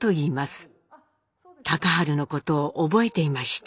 隆治のことを覚えていました。